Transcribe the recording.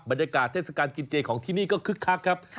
บรรยากาศเทศกาลกินเจของที่นี่ก็คึกคักครับ